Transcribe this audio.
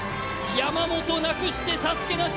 山本なくしてＳＡＳＵＫＥなし。